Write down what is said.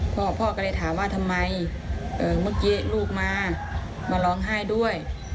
พ่อพ่อก็เลยถามว่าทำไมเมื่อกี้ลูกมามาร้องไห้ด้วย